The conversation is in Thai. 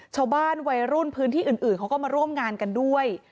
ชาวบ้านวัยรุ่นพื้นที่อื่นเขาก็มาร่วมงานกันด้วย